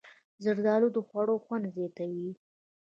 زردالو د خوړو خوند زیاتوي.